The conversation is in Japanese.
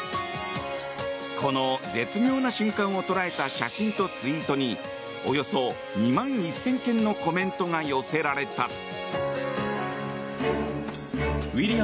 この絶妙な瞬間を捉えた写真とツイートにおよそ２万１０００件のコメントが寄せられた。